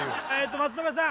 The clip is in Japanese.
松延さん